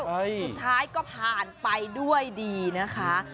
สุดท้ายก็ผ่านไปด้วยดีนะคะ